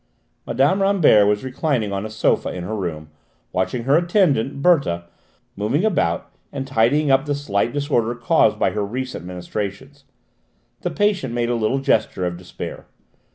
Mme. Rambert was reclining on a sofa in her room, watching her attendant, Berthe, moving about and tidying up the slight disorder caused by her recent ministrations. The patient made a little gesture of despair.